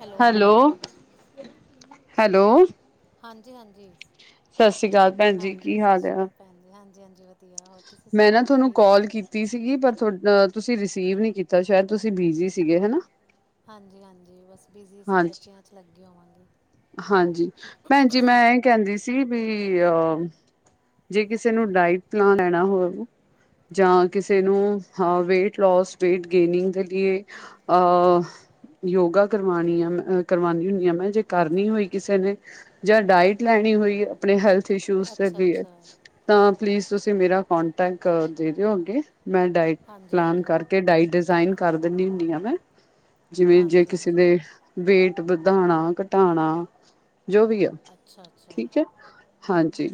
Hello hello hello ਹਾਂਜੀ ਹਾਂਜੀ ਸ੍ਰਸਰੀ ਕਾਲ ਭੈਣ ਜੀ ਹਾਂਜੀ ਕੀ ਸਤਿ ਹਾਤ ਸ਼੍ਰੀ ਐ ਅਕਾਲ ਭੈਣ ਜੀ ਹਾਂਜੀ ਹਾਂਜੀ ਵਧੀਆ ਹੋਰ ਤੁਸੀਂ ਨਾ ਸੁਣਾਓ ਤੁਹਾਨੂੰ ਠੀਕ ਓ ਕਾਲ ਕੀਤੀ ਸੀਗੀ ਪਰ ਤੁਸੀਂ ਰਿਸੀਵ ਨੀ ਕੀਤਾ ਸ਼ਾਇਦ ਤੁਸੀਂ ਬਿਜੀ ਸੀਗੇ ਹਨਾ ਹਾਂਜੀ ਹਾਂਜੀ ਬਸ ਬਿਜੀ ਸੀ ਹਾਂਜੀ ਬੱਚਿਆਂ ਚ ਲੱਗੀ ਹੋਵਾਂਗੇ ਹਾਂਜੀ ਭੈਣ ਜੀ ਮੈਂ ਇਹ ਕਹਿੰਦੀ ਸੀ ਪੀ ਉ ਜੇ ਕਿਸੇ ਨੂੰ ਡਾਇਟ ਪਲਾਨ ਲੈਣਾ ਹੋ ਜਾਂ ਕਿਸੇ ਨੂੰ ਵੇਟ ਲੋਸ ਵੇਟ ਗੇਨਿੰਗ ਥਗੀ ਏ ਅਹ ਯੋਗਾ ਕਰਵਾਉਣੀ ਆ ਮ ਕਰਵਾਉਂ ਹੁੰਣੀ ਆ ਮੈਂ ਜੇ ਕਰਨੀ ਹੋਈ ਕਿਸੇ ਨੇ, ਜਾਂ ਡਾਇਟ ਲੈਣੀ ਹੋਈ ਆਪਣੇ ਹੈਲਥ ਇਸ਼ੂਜ਼ ਅੱਛਾ ਦੇ ਅੱਛਾ ਤਾਂ ਪਲੀਜ਼, ਤੁਸੀਂ ਮੇਰਾ ਕੋਂਟੈਕਟ ਦੇ ਦਿਓ ਅੱਗੇ, ਮੈਂ ਡਾਇਟ ਹਾਂਜੀ ਪਲਾਨ ਹਾਂਜੀ ਕਰਕੇ ਡਾਈ ਡਿਜ਼ਾਈਨ ਕਰ ਦਿੰਦੀ ਹੁੰਦੀ ਆ ਮੈਂ, ਜਿਵੇਂ ਜੇ ਹਾਂਜੀ ਕਿਸੇ ਹਾਂਜੀ ਦੇ ਵੇਟ ਵਧਾਉਣਾ, ਘਟਾਉਣਾ, ਜੋ ਵੀ ਆ। ਅੱਛਾ ਅੱਛਾ ਠੀਕ ਹੈ, ਹਾਂਜੀ।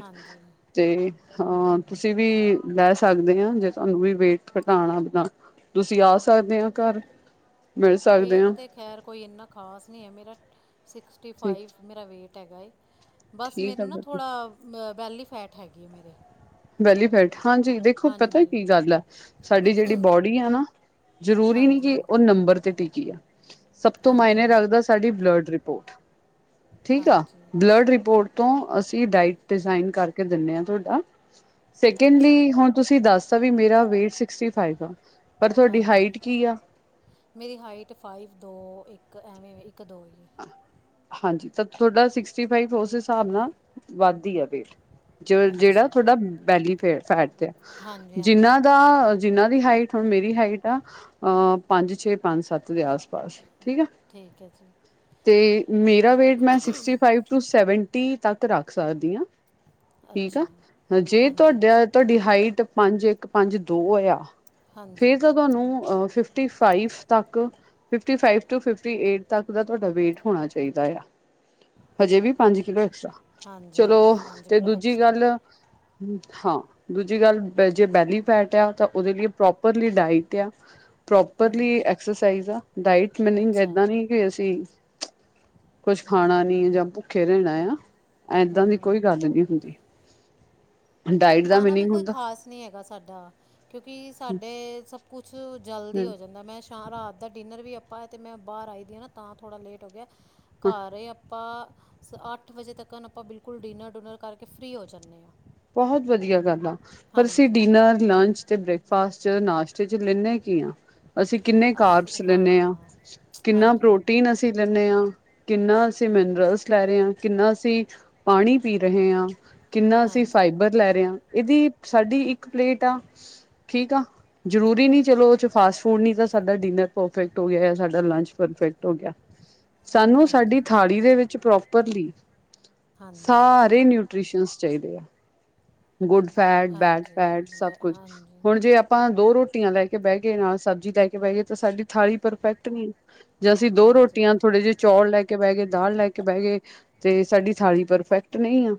ਤੇ, ਹਾਂ ਤੁਸੀਂ ਵੀ ਲੈ ਸਕਦੇ ਹ, ਜੇ ਤੁਹਾਨੂੰ ਵੀ ਵੇਟ ਘਟਾਣਾ ਬ, ਤੁਸੀਂ ਆ ਸਕਦੇ ਹੋ ਘਰ? ਮਿਲ ਸਕਦੇ ਵੇਟ ਆ ਤੇ ਖੈਰ ਕੋਈ ਇੰਨਾ ਖ਼ਾਸ ਨਹੀਂ ਹੈ ਮੇਰਾ, ਸਿਕਸਟੀ ਠੀਕ ਫਾਈਵ ਮੇਰਾ ਵੇਟ ਹੈਗਾ ਏ, ਬਸ ਠੀਕ ਆ ਮੈਨੂੰ ਨਾ ਫਿਰ ਥੋੜ੍ਹਾ ਬੈਲੀ ਫੈਟ ਹੈਗੀ ਮੇਰੇ ਬੈਲੀਫੈਟ, ਹਾਂਜੀ ਦੇਖੋ ਪਤਾ ਹਾਂਜੀ ਕੀ ਗੱਲ ਹੈ, ਸਾਡੀ ਜਿਹੜੀ ਬੋਡੀ ਆ ਨਾ ਜ਼ਰੂਰੀ ਨਹੀਂ, ਹਾਂਜੀ ਕਿ ਉਹ ਨੰਬਰ ਤੇ ਟਿਕੀ ਆ ਸਭ ਤੋਂ ਹਾਂਜੀ ਮਾਇਨੇ ਹਾਂਜੀ ਰੱਖਦਾ, ਸਾਡੀ ਬਲੱਡ ਰਿਪੋਰਟ ਠੀਕ ਆ, ਹਾਂਜੀ ਬਲੱਡ ਰਿਪੋਰਟ ਤੋਂ ਅਸੀਂ ਡਾਇਟ ਡਿਜ਼ਾਇਨ ਕਰਕੇ ਦਿੰਨੇ ਅ ਤੁਹਾਡਾ ਅੱਛਾ ਸੈਕਿੰਡਲੀ ਹੁਣ ਤੁਸੀਂ ਦੱਸਦਾ, ਵੀ ਮੇਰਾ ਵੇਟ ਸਿਕਸਟੀ ਫਾਈਵ ਆ। ਪਰ ਤੁਹਾਡੀ ਹਾਂਜੀ ਹਾਈਟ ਕੀ ਆ? ਮੇਰੀ ਹਾਈਟ ਫਾਈਵ ਦੋ, ਇੱਕ ਐਵੇਂ ਵੇਂ, ਇੱਕ ਦੋ ਹਾਂਜੀ, ਤਾਂ ਤੁਹਾਡਾ ਸਿਕਸਟੀ ਫਾਈਵ ਉਸ ਹਿਸਾਬ ਨਾਲ, ਵੱਧ ਈ ਆ ਵੇਟ। ਜਿਹੜਾ ਅੱਛਾ ਥੁਡਾ, ਬੈਲੀ ਫੇ ਫੈਟਦੇ ਆ। ਹਾਂਜੀ ਹਾਂਜੀ ਜਿਹਨਾਂ ਦਾ ਜਿੰਨਾਂ ਦੀ ਹਾਈਟ, ਹੁਣ ਮੇਰੀ ਹਾਈਟ ਆ ਅ ਪੰਜ ਛੇ, ਪੰਜ ਸੱਤ ਦੇ ਆਸ ਪਾਸ, ਠੀਕ ਆ। ਠੀਕ ਹੈ ਜੀ। ਤੇ ਮੇਰਾ ਵੇਟ ਮੈਂ ਸਿਕਸਟੀ ਫਾਈਵ ਟੂ, ਸੈਵਨਟੀ ਤੱਕ ਰੱਖ ਸਕਦੀ ਹਾਂ। ਠੀਕ ਅੱਛਾ। ਆ ਜੇ ਹਾਂਜੀ ਤੁਹਾਡਾ, ਤੁਹਾਡੀ ਹਾਈਟ ਪੰਜ ਇੱਕ ਪੰਜ ਦੋ ਏਆਂ ਹਾਂਜੀ ਫੇਰ ਤਾਂ ਤੁਹਾਨੂੰ ਫਿਫਟੀ ਫਾਈਵ ਤੱਕ, fifty five to fifty eight ਤੱਕ ਦਾ, ਤੁਹਾਡਾ ਵੇਟ ਹੋਣਾ ਚਾਹੀਦਾ ਏ ਆ। ਹਜੇ ਵੀ ਪੰਜ ਕਿਲੋ ਐਕਸਟਰਾ ਹਾਂਜੀ ਹਾਂਜੀ ਚਲੋ, ਤੇ ਕਿਲੋ ਦੂਜੀ ਗੱਲ, ਐਕਸਟਰਾ ਹਾਂ ਦੂਜੀ ਗੱਲ ਜੇ ਬੈਲੀ ਫੈਟ ਆ, ਉਹਦੇ ਲਈ ਪ੍ਰੋਪਰਲੀ ਡਾਈਟ ਏ ਆ। ਪ੍ਰੋਪਰਲੀ ਐਕਸਰਸਾਈਜ਼ ਆ, ਡਾਇਟ ਮੀਨਿੰਗ ਅੱਛਾ ਏਦਾਂ ਨਹੀਂ ਕਿ ਅਸੀਂ, ਕੁਛ ਖਾਣਾ ਨੀ ਜਾਂ ਭੁੱਖੇ ਰਹਿਣਾ ਆ ਹੂੰ ਏਦਾਂ ਦੀ ਹੂੰ ਕੋਈ ਗੱਲ ਨਹੀਂ ਹੁੰਦੀ। ਡਾਇਟ ਦਾ ਖਾਣਾ ਵੀ ਮੀਨਿੰਗ ਕੋਈ ਹੁੰਦਾ ਖਾਸ ਨਹੀਂ ਹੈਗਾ ਸਾਡਾ, ਕਿਉਂਕਿ ਸਾਡੇ ਸਭ ਕੁਛ ਜਲਦੀ ਹਮ ਹੋ ਜਾਂਦਾ। ਮੈਂ ਤਾਂ ਰਾਤ ਦਾ ਡਿਨਰ ਵੀ ਆਪਾਂ, ਏ ਤੇ ਮੈਂ ਬਾਹਰ ਆਈ ਦੀ ਹਾਂ ਨਾ, ਤਾਂ ਥੋੜ੍ਹਾ ਲੇਟ ਹੋ ਗਿਆ। ਹਾਂ ਘਰ ਆਪਾਂ ਸ ਅੱਠ ਵਜੇ ਤੱਕਣ ਆਪਾਂ, ਬਿਲਕੁਲ ਡਿਨਰ-ਡੂਨਰ ਕਰਕੇ ਫ੍ਰੀ ਹੋ ਜਾਂਨੇ ਆਂ। ਬਹੁਤ ਵਧੀਆ ਗੱਲ ਆ। ਪਰ ਅਸੀਂ ਡਿਨਰ ਲੰਚ ਤੇ ਬ੍ਰੇਕਫਾਸਟ 'ਚ, ਨਾਸ਼ਤੇ 'ਚ ਲੈਂਨੇ ਕੀ ਆ? ਅਸੀਂ ਕਿੰਨੇ ਕਾਰਬਸ ਲੈਂਨੇ ਹਾਂ, ਕਿੰਨਾ ਹਾਂਜੀ ਪ੍ਰੋਟੀਨ ਅਸੀਂ ਲੈਂਨੈ ਹਾਂ। ਕਿੰਨਾ ਅਸੀਂ ਮਿਨਰਲਸ ਲੈ ਰਹੇ ਹਾਂ, ਕਿੰਨਾ ਅਸੀਂ ਪਾਣੀ ਪੀ ਰਹੇ ਹਾਂ। ਕਿੰਨਾ ਅਸੀਂ ਹਾਂਜੀ ਹਾਂਜੀ ਫਾਈਬਰ ਲੈ ਰਹੇ ਹਾਂ। ਇਹਦੀ ਸਾਡੀ ਇੱਕ ਪਲੇਟ ਆ, ਠੀਕ ਆ। ਜ਼ਰੂਰੀ ਨਹੀਂ, ਚਲੋ ਉਹ 'ਚ ਫਾਸਟ ਫੂਡ ਨੀ ਤਾਂ ਸਾਡਾ ਡਿਨਰ ਪਰਫੈਕਟ ਹੋ ਗਿਆ, ਸਾਡਾ ਲੰਚ ਪਰਫੈਕਟ ਹੋ ਗਿਆ। ਹ [unintelligible] ਸਾਨੂੰ, ਸਾਡੀ ਥਾਲੀ ਦੇ ਵਿੱਚ ਪ੍ਰੋਪਰਲੀ ਹਾਂਜੀ ਸਾਰੇ ਨਿਊਟ੍ਰੀਸ਼ਨਸ ਚਾਹੀਦੇ ਆ। ਗੁੱਡ ਫੈਟ, ਬੈਡ ਹਾਂਜੀ ਫੈਟ, ਹਾਂਜੀ ਸਭ ਬ ਕੁਛ। ਹਾਂਜੀ ਹੁਣ ਜੇ ਆਪਾਂ ਦੋ ਰੋਟੀਆਂ ਲੈ ਕੇ ਬਹਿ ਗਏ, ਨਾਲ ਸਬਜ਼ੀ ਲੈ ਕੇ ਬਹਿ ਗਏ, ਤਾਂ ਸਾਡੀ ਥਾਲੀ ਪਰਫੈਕਟ ਨਹੀਂ। ਜਾਂ ਅਸੀਂ ਦੋ ਹਾਂਜੀ ਰੋਟੀਆਂ, ਥੋੜੇ ਜਿਹੇ ਚੌਲ ਲੈ ਕੇ ਬਹਿ ਗਏ ਦਾਲ ਲੈ ਕੇ ਬਹਿ ਗਏ,। ਤੇ ਸਾਡੀ ਥਾਲੀ ਪਰਫੈਕਟ ਨਹੀਂ ਆ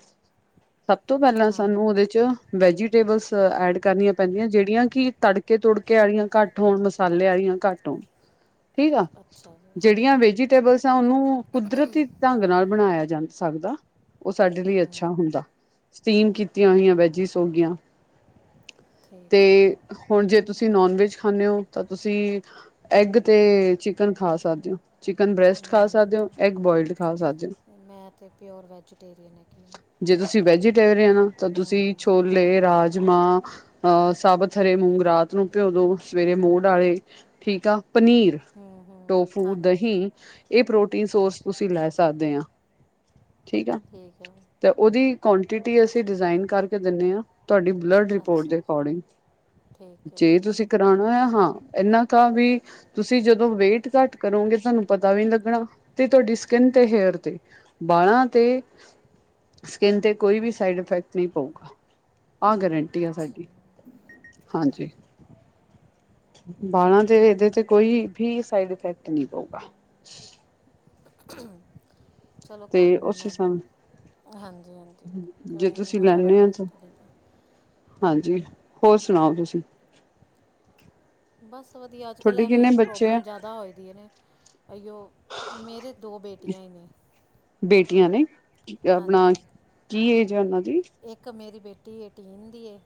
ਸਭ ਤੋਂ ਪਹਿਲਾਂ ਹਾਂਜੀ ਸਾਨੂੰ ਉਹਦੇ ਚ ਵੈਜੀਟੇਬਲਸ ਐਡ ਕਰਨੀਆਂ ਪੈਂਦੀਆਂ, ਜਿਹੜੀਆਂ ਕਿ ਤੜਕੇ -ਤੁੜਕੇ ਵਾਲੀਆਂ ਘੱਟ ਮਸਾਲੇ ਆਲੀਆਂ ਘੱਟ ਹੋਣ। [unintelligible] [inaudible] ਠੀਕ ਆ, ਅੱਛਾ ਜੀ ਜਿਹੜੀਆਂ ਹਾਂਜੀ ਵੇਜੀਟੇਬਲਸ ਆ ਉਹਨੂੰ ਕੁਦਰਤੀ ਢੰਗ ਨਾਲ ਬਣਾਇਆ ਜਾ ਸਕਦਾ, ਉਹ ਸਾਡੇ ਲਈ ਅੱਛਾ ਹੂੰ ਹੁੰਦਾ। ਸਟੀਮ ਕੀਤੀਆਂ ਹੋਈਆਂ ਵੈਜਿਸ ਹੋਗੀਆਂ, ਠੀਕ ਹੈ ਜੀ ਤੇ ਹੁਣ ਜੇ ਤੁਸੀਂ ਨੋਨ ਵੈਜ ਖਾਂਦੇ ਹੋ, ਤਾਂ ਤੁਸੀਂ ਐਗ ਤੇ ਚਿਕਨ ਖਾ ਸਕਦੇ ਹੋ। ਚਿਕਨ ਬ੍ਰੈਸਟ ਖਾ ਸਕਦੇ ਹੋ ਐਗ ਨਹੀਂ ਬੋਇਲਡ ਖਾ ਸਕਦੇ ਹੋ। ਮੈਂ ਤਾਂ ਪਿਓਰ ਵੈਜੀਟੇਰੀਅਨ ਹੈਗੀ ਜੇ ਤੁਸੀਂ ਵੈਜੀਟੇਰੀਅਨ ਤਾਂ ਹਾਂ ਤੁਸੀਂ ਹੂੰ ਛੋ ਲੇ ਰਾਜਮਾਹ ਅਹ ਸਾਬਤ ਹਰੇ ਮੂੰਗ ਰਾਤ ਨੂੰ ਭਿਓ ਦੋ, ਸਵੇਰੇ ਮੂੜ ਆਵੇ ਠੀਕ ਆ ਪਨੀਰ। ਹੂੰ ਹੂੰ ਟੋਫੂ ਹਾਂਜੀ ਦਹੀਂ ਇਹ ਪ੍ਰੋਟੀਨ ਸੋਰਸ ਤੁਸੀਂ ਲੈ ਸਕਦੇ ਆਂ, ਠੀਕ ਆ। ਠੀਕ ਐ। ਤੇ, ਉਹਦੀ ਕੁਆਂਟਿਟੀ ਅਸੀਂ ਡਿਜ਼ਾਇਨ ਕਰਕੇ ਦਿੰਨੇ ਆਂ। ਤੁਹਾਡੀ ਬਲੱਡ ਰਿਪੋਰਟ ਅੱਛਾ ਦੇ ਜੀ ਅਕੋਡਿੰਗ ਠੀਕ ਹੈ ਜੇ ਤੁਸੀਂ ਕਰਾਉਣਾ ਆ, ਹਾਂ ਇਹਨਾਂ ਕਾ ਵੀ ਤੁਸੀਂ ਜਦੋਂ ਵੇਟ ਘੱਟ ਕਰੋਗੇ ਤੁਹਾਨੂੰ ਪਤਾ ਵੀ ਨੀ ਲੱਗਣਾ। ਤੇ ਤੁਹਾਡੀ ਸਕਿੰਨ ਤੇ ਹੇਅਰ ਤੇ ਬਾਲਾਂ ਤੇ ਸਕਿਨ ਤੇ ਕੋਈ ਵੀ ਸਾਈਡ ਇਫੈਕਟ ਨਹੀਂ ਪਊਗਾ, ਆਹ ਗਰੰਟੀ ਆ ਅੱਛਾ ਸਾਡੀ, ਹਾਂਜੀ। ਬਾਲਾਂ ਤੇ ਇਹਦੇ ਚ ਕੋਈ ਫੀ ਸਾਈਡ ਇਫੈਕਟ ਨਹੀਂ ਪਊਗਾ। ਚਲੋ ਤੇ ਕੋਈ ਨਹੀਂ ਉਸ ਮੈਂ ਹਿਸਾਬ ਹਾਂਜੀ -ਹਾਂਜੀ ਕੋਈ ਜੇ ਨਹੀਂ ਤੁਸੀਂ ਮੈਂ ਲੈਂਦੇ ਆ ਕਰਾਂਗੀ ਤਾਂ ਇਕ ਦਿਨ। ਹਾਂਜੀ, ਹੋਰ ਸੁਣਾਓ ਤੁਸੀਂ? ਬਸ ਵਧੀਆ, ਅੱਜ ਕੱਲ੍ਹ ਤੁਹਾਡੇ ਇਹ ਕਿੰਨੇ ਮੇਨ ਬੱਚੇ ਆ ਪ੍ਰੋਬਲਮ ਜ਼ਿਆਦਾ ਹੋਏ ਦੀ ਐ ਨੇ। ਅਇਓ ਮੇਰੇ ਦੋ ਬੇਟੀਆਂ ਈ ਨੇ। ਬੇਟੀਆਂ ਨੇ ਆਪਣਾ ਹਾਂਜੀ ਕੀ ਏਜ ਐ ਉਹਨਾਂ ਦੀ? ਇੱਕ ਮੇਰੀ ਬੇਟੀ ਏਟੀਨ ਦੀ ਏ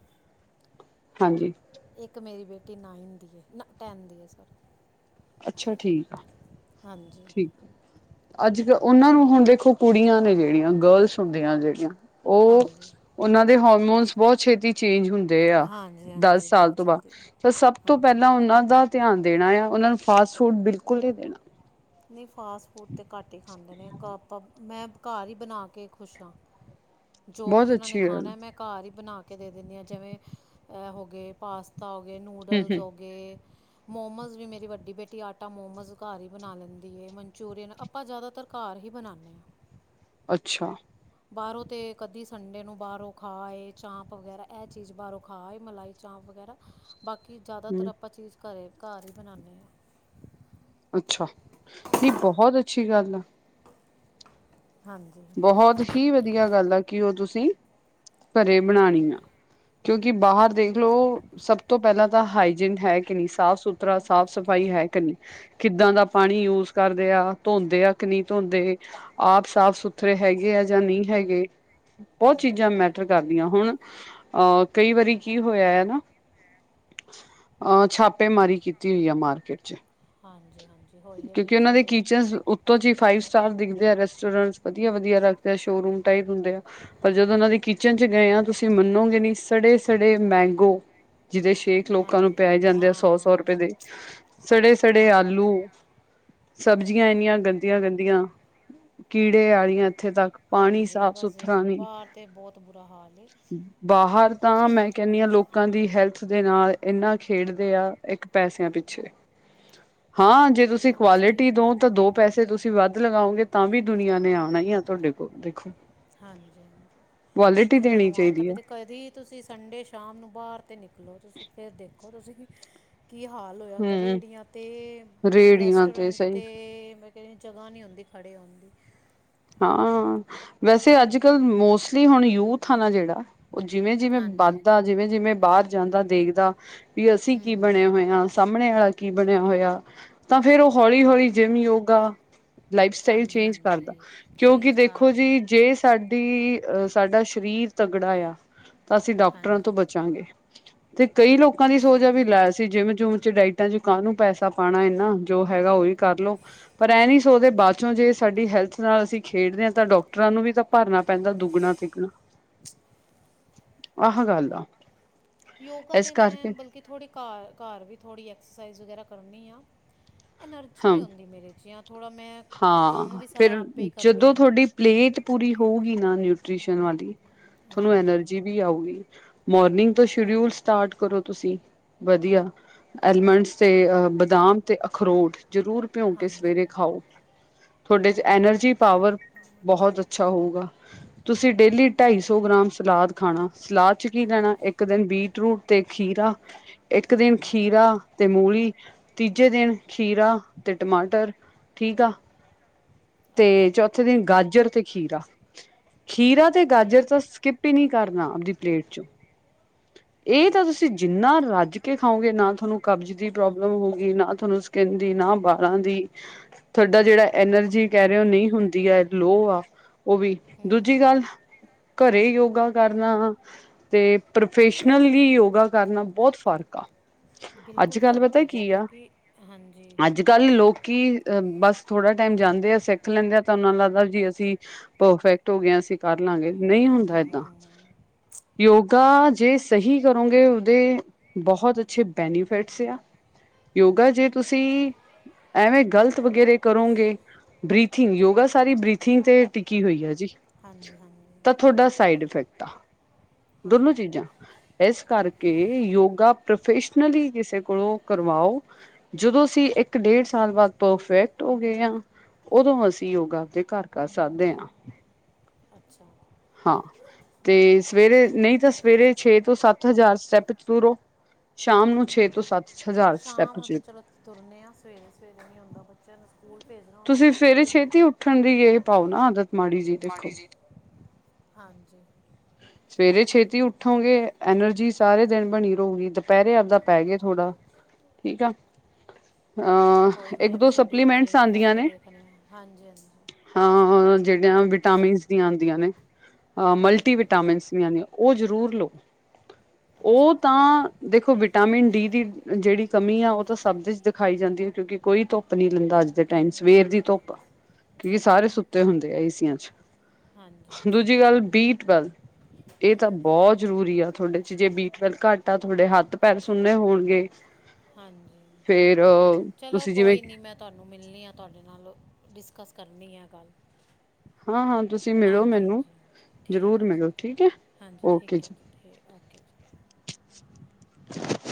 ਹਾਂਜੀ। ਇੱਕ ਮੇਰੀ ਬੇਟੀ ਨਾਈਨ ਦੀ ਏ ਨਾ ਟੈਨ ਦੀ ਐ ਸੋਰੀ। ਅੱਛਾ ਠੀਕ ਆ। ਹਾਂਜੀ। ਠੀਕ ਅੱਜ ਕੱਲ ਉਹਨਾਂ ਨੂੰ ਹੁਣ ਦੇਖੋ, ਕੁੜੀਆਂ ਨੇ ਜਿਹੜੀਆਂ ਗਰਲਸ ਹੁੰਦੀਆਂ ਜਿਹੜੀਆਂ ਉਹ ਹਾਂਜੀ ਉਹਨਾਂ ਦੇ ਹੋਰਮੋਨਸ ਬਹੁਤ ਛੇਤੀ ਚੇਂਜ ਹੁੰਦੇ ਆ ਹਾਂਜੀ ਦਸ ਹਾਂਜੀ ਸਾਲ ਬਹੁਤ ਤੋਂ ਬਾਅਦ, ਜਲਦੀ ਤਾਂ ਸਭ ਤੋਂ ਹਾਂਜੀ ਪਹਿਲਾਂ ਉਹਨਾਂ ਦਾ ਧਿਆਨ ਦੇਣਾ ਆ, ਉਹਨਾਂ ਨੂੰ ਫਾਸਟ ਫੂਡ ਬਿਲਕੁਲ ਨੀ ਦੇਣਾ। ਨਹੀਂ ਫਾਸਟ ਫੂਡ ਤਾਂ ਘੱਟ ਹੀ ਖਾਂਦੇ ਨੇ, ਘਰ ਤਾਂ ਆਪਾਂ ਮੈਂ ਘਰ ਹੀ ਬਣਾ ਕੇ ਖੁਸ਼ ਆਂ, ਜੋ ਵੀ ਬਹੁਤ ਉਹਨਾਂ ਨੇ ਅੱਛੀ ਗੱਲ ਖਾਣਾ ਮੈਂ ਘਰ ਹੀ ਬਣਾ ਕੇ ਦੇ ਦਿੰਦੀ ਹਾਂ, ਜਿਵੇਂ ਇਹ ਹੋ ਗਏ ਪਾਸਤਾ ਹੋ ਗਏ ਹਮ ਨੂਡਲਸ ਹਮ ਹੋ ਗ ਗਏ, ਮੋਮਸ ਵੀ ਮੇਰੀ ਵੱਡੀ ਬੇਟੀ ਆਟਾ ਮੋਮੋਸ ਘਰ ਹੀ ਬਣਾ ਲੈਂਦੀ ਏ, ਮੰਨਚੂਰੀਅਨ ਆਪਾਂ ਜਾਇਦਾਤਰ ਘਰ ਹੀ ਬਣਾਂਦੇ ਹਾਂ। ਅੱਛਾ। ਬਾਹਰੋਂ ਤੇ ਕਦੀ ਸੰਡੇ ਨੂੰ ਬਾਹਰੋਂ ਖਾ ਆਏਂ ਚਾਂਪ ਵਗੈਰਾ, ਐਹ ਚੀਜ਼ ਬਾਹਰੋਂ ਖਾ ਆਏਂ ਮਲਾਈ ਚਾਂਪ ਵਗੈਰਾ ਬਾਕੀ ਜ਼ਿਆਦਾਤਰ ਹਮ ਆਪਾਂ ਚੀਜ਼ ਘਰੇ ਘਰ ਈ ਬਣਾਨੇ ਆਂ ਅੱਛਾ, ਨਹੀਂ ਬਹੁਤ ਅੱਛੀ ਗੱਲ ਆ ਹਾਂਜੀ ਬਹੁਤ ਹੀ ਵਧੀਆ ਗੱਲ ਆ, ਕਿ ਓ ਤੁਸੀਂ ਘਰੇ ਬਣਾਣੀ ਆ ਕਿਉਂਕਿ ਬਾਹਰ ਦੇਖਲੋ ਸਭ ਤੋਂ ਪਹਿਲਾਂ ਤਾਂ ਹਾਈਜੀਨ ਹੈ ਕਿ ਨੀਂ ਸਾਫ਼ ਸੁਥਰਾ ਸਾਫ਼ ਸ ਸਫ਼ਾਈ ਹੈ ਕਿ ਨਈ। ਕਿੱਦਾਂ ਦਾ ਪਾਨੀ ਯੂਜ ਕਰਦੇਂ ਆ, ਧੋਂਦੇ ਆ ਕਿ ਨਈ ਧੋਂਦੇ ਆਪ ਸਾਫ਼ ਸੁਥ -ਥਰੇ ਹੈਗੇ ਐ ਜਾਂ ਨਹੀਂ ਹੈਗੇ ਬਹੁਤ ਹਾਂਜੀ ਚੀਜ਼ਾਂ ਹਾਂਜੀ ਮੈਟਰ ਕਰਦ ਦੀਆਂ ਹੁਣ ਅਹ ਕਈ ਵਾਰੀ ਕੀ ਹੋਇਆ ਐ ਨਾ ਅਹ ਛਾਪ ਛਾਪੇਮਾਰੀ ਕੀਤੀ ਹੋਈ ਆ ਮਾਰਕੀਟ‌ ਚ' ਹਾਂਜੀ -ਹਾਂਜੀ। ਹੋਈ ਹੈ ਕਿਉਂਕਿ ਉਹਨਾਂ ਪਿੱਛੇ ਦੇ ਜੇ ਕਿਚਨਸ ਓ -ਤੋਂ ਚ ਫਾਈਵ ਸਟਾਰ ਦਿਖਦੇ ਆ, ਰੈਸਟੋਰੈਂਟ ਵਧੀਆਂ -ਵਧੀਆਂ ਲਗਦੇ ਆ ਸ਼ੋਰੂਮ ਟਾਈਪ ਹੁੰਦੇ ਆ ਪਰ ਜਦੋਂ ਉਹਨਾਂ ਦੀ ਕਿਚਨ ਚ ਗਏ ਆ ਤੁਸੀਂ ਮੰਨੋਗੇ ਨੀ ਸੜੇ- ਸੜੇ ਮੈਂਗੋ ਜਿਹਦੇ ਸ਼ੇਕ ਲੋਕਾਂ ਨੂੰ ਹਾਂਜੀ ਪਿਆਏ ਹਾਂਜੀ ਜਾਂਦੇ ਆ ਸੌ- ਸੌ ਹਾਂ ਰੁਪਏ ਦੇ, ਸੜੇ- ਸੜੇ ਹਾਂਜੀ ਆਲੂ ਸਬਜ਼ੀਆਂ ਐਨੀਆਂ ਗੰਦੀਆਂ- ਗੰਦੀਆਂ। ਕੀੜੇ ਆਲੀਆ ਇੱਥੇ ਤੱਕ ਪਾਨੀ ਹਾਂਜੀ ਸਾਫ ਬਸ ਜੀ ਸੁਥਰਾ ਨੀ। ਬਾਹਰ ਤੇ ਬਹੁਤ ਬੁਰਾ ਹਾਲ ਏ ਬਾਹਰ ਤਾਂ ਮੈਂ ਕਹਿੰਨੀ ਆਂ ਲੋਕਾਂ ਦੀ ਹੈਲਥ ਦੇ ਨਾਲ ਏਨਾ ਖੇਡਦੇ ਆ, ਇੱਕ ਪੈਸਿਆਂ ਪਿੱਛੇ ਹਾਂ ਜੇ ਤੁਸੀਂ ਬਿਲਕੁਲ ਸਹੀ ਕੁਆਲਿਟੀ ਗੱਲ ਦੋ, ਤਾਂ ਏ ਦੋ ਪੈਸੇ ਜੇ ਤੁਸੀਂ ਵੱਧ ਲਗਾਓਗੇ, ਤਾਂ ਵੀ ਦੁਨੀਆਂ ਨੇ ਆਣਾ ਹੀ ਆ ਤੁਹਾਡੇ ਕੋ, ਦੇਖੋ। ਹਾਂਜੀ, ਕੁਆਲਿਟੀ ਜਿਨਾਂ ਦੇਣੀ ਨੂੰ ਆਤਾ ਚਾਹੀਦੀ ਪਈ ਆ ਤੇ ਕਦੀ ਤੁਸੀਂ ਸੰਡੇ ਸ਼ਾਮ ਨੂੰ ਬਾਹਰ ਤੇ ਨਿਕਲੋ ਤੁਸੀਂ, ਫਿਰ ਦੇਖੋਂ ਤੁਸੀਂ ਕੀ ਹਾਲ ਹੋਇਆ ਹੁੰਦਾ ਹੂੰ। ਰੇੜੀਆਂ, 'ਤੇ ਰੇਹੜੀਆਂ ਰੈਸਟੋਰੈਂਟ ਸਹੀ 'ਤੇ ਤੇ ਜਗਾਂ ਨੀਂ ਹੁੰਦੀ, ਖੜੇ ਹੋਣ ਦੀ ਹਾਂ, ਵੈਸੇ ਅੱਜ- ਕੱਲ ਮੋਸਟਲੀ ਹੁਣ ਯੂਥ ਆ ਨਾ ਜਿਹੜਾ ਓ ਜਿਵੇਂ- ਜਿਵੇਂ ਹਾਂਜੀ ਹਾਂਜੀ ਵੱਧਦਾ, ਜਿਵੇਂ- ਜਿਵੇਂ ਬਾਹਰ ਜਾਂਦਾ ਦੇਖਦਾ ਵੀ ਅਸੀਂ ਕੀ ਬਣੇ ਹੂੰ ਹੋਏ ਆ, ਸਾਹਮਣੇ ਵਾਲਾ ਕੀ ਬਣਿਆ ਹੋਇਆ। ਤਾਂ ਫ਼ਿਰ ਉਹ ਹੌਲੀ-ਹੌਲੀ ਜਿਮ, ਯੋਗਾ ਲਾਈਫ ਸਟਾਈਲ ਹਾਂਜੀ ਚੇਂਜ ਕਰਦਾ। ਹਾਂਜੀ ਕਿਉਂਕਿ ਚੇਂਜ ਕਰ ਦੇਖੋ ਰਹੇ ਜੀ। ਨੇ ਜੇ ਸਾਡੀ ਅ ਸਾਡਾ ਸ਼ਰੀਰ ਤਗੜਾ ਆ, ਤਾਂ ਅਸੀਂ ਡਾਕਟਰਾਂ ਤੋਂ ਬ ਹਾਂਜੀ -ਚਾਗੇ ਤੇ ਕਈ ਲੋਕਾਂ ਦੀ ਸੋਚ ਸਹੀ ਆ ਵੀ ਗੱਲ ਹੈ ਲੈ ਅਸੀ ਜਿੰਮ ਜੁਮ, ਚ ਡਾਇ -ਇਟਾ ਚ ਕਾਨੂੰ ਪੈਸਾ ਪਾਣਾ ਐਨਾ ਜੋ ਹੈਗਾ ਉਹੀਂ ਕਰਲੋ। ਪਰ ਐਂ ਨੀ ਸੋਚਦੇ ਬਾਅਚੋਂ, ਜੇ ਸਾਡੀ ਹੈਲਥ ਨਾਲ ਅਸੀਂ ਖੇਡਦੇ ਆ, ਤਾਂ ਡਾਕਟਰਾਂ ਨੂੰ ਵੀ ਤਾਂ ਭਰਨਾ ਪੈਂਦਾ ਦੁੱਗਣਾ- ਤਿੱਗਣਾ। ਆਹ ਗੱਲ ਆ। ਯੋਗਾ ਇਸ ਤਾਂ ਮੈਂ ਕਰਕੇ ਬਲਕਿ ਥੋੜੀ ਘਰ- ਘਰ ਵੀ ਥੋੜੀ ਐਕਸਾਸਾਈਜ਼ ਵਗ਼ੈਰਾ ਕਰਨੀ ਆ। ਐਨਾਰਜੀ ਨੀਂ ਹਮ ਆਉਂਦੀ ਮੇਰੇ ਚ, ਜਾ ਥੋੜਾ ਮੈਂ ਕੰਮ ਹਾਂ ਵੀ ਸਾਰਾ ਫਿਰ ਆਪੇ ਹੀ ਕਰਨੀ ਜਦੋਂ ਆ ਨਾ। ਤੁਹਾਡੀ ਪਲੇਟ ਪੂਰੀ ਹੋਊਗੀ ਨਾ ਨਿਊਟ੍ਰੀਸ਼ਨ ਵਾਲੀ, ਥੁਹਾਨੂੰ ਹਾਂਜੀ ਐਨਰਜੀ ਵੀ ਆਊਗੀ। ਮੋਰਨਿੰਗ ਤੋਂ, ਸ਼ਡਿਊਲ ਸਟਾਰਟ ਕਰੋ ਤੁਸੀਂ ਵਧੀਆ। ਐਲਮੰਡਸ ਤੇ ਅਹ ਬਦਾਮ ਤੇ, ਅਖਰੋਟ ਜ਼ਰੂਰ ਭਿਉਂ ਕੇ ਸਵੇਰੇ ਹਾਂਜੀ ਖਾਓ। ਤੁਹਾਡੇ ਚ ਹੂੰ ਐਨਰਜੀ ਪਾਵਰ ਬਹੁਤ ਅੱਛਾ ਹੋਊਗਾ। ਤੁਸੀਂ ਡੇਲੀ ਢਾਈਸੌ ਗ੍ਰਾਮ ਸਲਾਦ ਖਾਣਾ, ਸਲਾਦ ਚ ਕੀ ਲੈਣਾ ਇੱਕ ਦਿਨ ਬੀਟ ਰੂਟ ਤੇ ਖੀਰਾ, ਇੱਕ ਦਿਨ ਹੂੰ ਖੀਰਾ ਤੇ ਮੂਲੀ, ਤੀਜੇ ਦਿਨ ਖੀਰਾ ਤੇ ਟਮਾਟਰ ਠੀਕ ਆ। ਤੇ ਅੱਛਾ ਚੌਥੇ ਦਿਨ ਗਾਜਰ ਤੇ ਖੀਰਾ। ਖੀਰਾ ਤੇ ਠੀਕ ਗਾਜਰ ਤਾਂ ਹੈ ਸਕਿੱਪ ਈ ਨਹੀਂ ਕਰਨਾ ਆਪਦੀ ਪਲੇਟ ਚੋਂ ਏ ਤਾਂ ਠੀਕ ਤੁਸੀਂ ਹੈ। ਜਿੰਨਾ ਰੱਜ ਕੇ ਖਾਓਗੇਂ ਨਾ ਤਾਨੂੰ ਕਬਜ਼ ਦੀ ਹੂੰ ਪ੍ਰੋਬਲਮ ਹੋਉ ਨਾ ਤਾਨੂੰ ਸਕਿੰਨ ਦੀ, ਨਾ ਬਾਲਾਂ ਦੀ, ਤੁਆਡਾ ਜੇੜਾ ਐਨਰਜੀ ਕੈ ਰਹੇ ਓ ਨਈ ਹੁੰਦੀ ਐ, ਲੋ ਆ ਓ ਵੀ ਦੂਜੀ ਹੂੰ ਗੱਲ ਕਰੇ ਯੋਗਾ ਕਰਨਾ ਤੇ ਪ੍ਰੋਫੈਸ਼ਨਲ ਵੀ ਯੋਗਾ ਕਰਨਾ, ਬੋਤ ਫ਼ਰਕ ਆ। ਅੱਜ ਬਿਲਕੁਲ ਕੱਲ੍ਹ ਫ਼ਰਕ ਹੈਗਾ, ਕਿਉਂਕਿ ਹਾਂਜੀ ਕੱਲ ਲੋਕੀ, ਬਸ ਥੋੜਾ ਟਾਈਮ ਜਾਂਦੇ ਆ ਸਿੱਖ ਲੈਂਦੇ ਆ। ਤਾਂ ਓ ਜੱਟਾ ਲੱਗਦਾ ਜੀ ਅਸੀਂ ਪਰਫੈਕਟ ਹੋ ਗਏਸੀ। ਕਰ ਲਾਂਗੇ, ਨਈ ਹੁੰਦਾ ਹੂੰ ਐਦਾਂ। ਹੂੰ ਹੂੰ ਯੋਗਾ ਜੇ ਸਹੀ ਕਰੋਂਗੇ, ਓਦੇ ਬੋਹਤ ਅੱਛੇ ਬੈਨੀਫਿਟਸ ਆ। ਯੋਗਾ ਜੇ ਤੁਸੀਂ, ਐਵੇਂ ਗਲਤ ਵਗੈਰੇ ਕਰੋਂਗੇ ਬ੍ਰੀਥਿੰਗ, ਯੋਗਾ ਸਾਰੀ ਬ੍ਰੀਥਿੰਗ ਤੇ ਟਿੱਕੀ ਹੋਈ ਐ ਜੀ। ਹਾਂਜੀ ਹਾਂਜੀ ਤਾਂ ਤੁਹਾਡਾ ਸਾਈਡ ਇਫੈਕਟ ਆ। ਦੋਨੋ ਹਾਂਜੀ ਚੀਜ਼ਾਂ। ਏਸ ਕਰਕੇ ਯੋਗਾ ਪ੍ਰੋਫੈਸ਼ਨਲੀ ਕਿਸੇ ਕੋਲੋਂ ਕਰਵਾਓ। ਜਦੋਂ ਅਸੀਂ ਇੱਕ-ਡੇਢ ਸਾਲ ਬਾਦ ਪਰਫੈਕਟ ਹੋਗੇ ਆਂ। ਓਦੋਂ ਅਸੀਂ ਯੋਗਾ, ਆਪਦੇ ਕੱਰ ਕਰ ਸਾਕਦੇ ਆਂ। ਅੱਛਾ। ਹਾਂ, ਤੇ ਸਵੇਰੇ, ਨਈ ਤਾਂ ਸਵੇਰੇ ਛੇ ਤੋਂ ਸੱਤ ਹਜ਼ਾਰ ਸਟੈਪ ਤੁਰੋ। ਸ਼ਾਮ ਨੂੰ ਛੇ ਤੋਂ ਸੱਤ। ਹਜ਼ਾਰ ਸ਼ਾਮ ਸਟੈਪ ਨੂੰ ਚ ਤੇ ਚਲੋ ਤੁਰਨੇ ਆਂ। ਸਵੇਰੇ-ਸਵੇਰੇ ਨੀ ਹੁੰਦਾ ਬੱਚਿਆਂ ਨੂੰ ਸ ਸਕੂਲ ਪੇਜਣਾ ਹੁੰਦਾ ਤੁਸੀਂ ਸਵੇਰੇ ਜਲਦੀ ਹੁੰਦੀ ਛੇਤੀ ਵੇ, ਉੱਠਣ ਦੀ ਇਹ ਪਾਓ ਨਾ ਆਦਤ ਮਾੜੀ ਜੀ ਮਾੜੀ ਦੇਖੋ। ਜੀ। ਹਾਂਜੀ‌। ਸਵੇਰੇ ਛੇਤੀ ਉੱਠੋਗੇ ਐਨਰਜੀ ਸਾਰੇ ਦਿਨ ਬਣੀ ਰ‌ਊਗੀ ਤ ਪੈਰੇ ਆਪਦਾ ਪੈ ਗੇ ਥੋੜਾ, ਠੀਕ ਆ। ਆਂ ਕੋਈ ਨਹੀਂ ਇਹ ਵੀ ਇੱਕ-ਦੋ ਸ਼ੈਡਿਊਲ ਸਪਲੀਮੈਂਟਸ ਚੇਂਜ ਆਂਦੀਆਂ ਕਰਕੇ ਨੇ। ਦੇਖਨੇ ਆ ਹਾਂਜੀ ਹਾਂਜੀ ਹਾਂ ਜੇੜੀਆਂ ਵਿਟਾਮਿਨਸ ਦੀਆਂ ਆਂਦੀਆਂ ਨੇ। ਆਂ ਮਲਟੀਵਿਟਾ- ਟਾਮਿਨਸ ਦੀਆਂ ਆਂਦੀਆਂ, ਓ ਜ਼ਰੂਰ ਲੋ। ਓ ਅੱਛਾ ਜੀ ਤਾਂ- ਦੇਖੋ ਵਿਟਾਮਿਨ ਡੀ ਦੀ ਜੇੜੀ ਕਮੀ ਆ ਓ ਤਾਂ ਸਬ ਦੇ ਚ ਦਿਖਾਈ ਜਾਂਦੀ ਐ, ਕਿਉਂਕਿ- ਕੋਈ ਧੁੱਪ ਨੀ ਲੈਂਦਾ ਅੱਜ ਦੇ ਟਾਈਮ ਸਵੇਰ ਦੀ ਧੁੱਪ- ਕੀ ਸਾਰੇ ਸੁੱਤੇ ਹੁੰਦੇ ਆ ਏਸੀਆਂ ਚ। ਹਾਂਜੀ ਹਾਂਜੀ ਦੂਜੀ ਗੱਲ ਬੀ ਟਵੈਲ- ਏ ਤਾਂ ਬੋ ਜ਼ਰੂਰੀ ਆ ਤੁਹਾਡੇ ਚ। ਜੇ ਬੀ ਟਵੇਲ ਕੱਟ ਆ ਤਾਡੇ ਹੱਥ ਪੈਰ ਸੁੁੰਨੇ ਹੋਣਗੇ। ਹਾਂਜੀ ਫੇਰ ਚਲੋ ਤੁਸੀਂ ਜਿਵੇਂ ਕੋਈ ਨੀ ਮੈਂ- ਤਾਨੂੰ ਮਿਲਣੀ ਆ, ਤੁਆਡੇ ਨਾਲ ਡਿਸਕਸ ਕਰਨੀ ਆ ਗੱਲ। ਹਾਂ-ਹਾਂ ਤੁਸੀਂ ਮਿਲੋ ਹਾਂਜੀ ਮੇਨੂੰ ਹਾਂਜੀ ਹਾਂਜੀ। ਠੀਕ ਜ਼ਰੂਰ ਹੈ ਜੀ ਮਿਲੋ ਠੀਕ ਐ, ਹਾਂਜੀ ਓਕੇ ਠੀਕ ਹੈ ਜੀ। ਠੀਕ ਓਕੇ ਜੀ